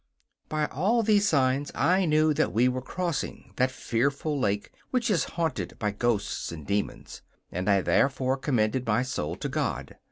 By all these signs I knew that we were crossing that fearful lake which is haunted by ghosts and demons, and I therefore commended my soul to God.